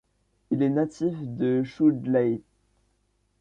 Il est natif de Chudleigh.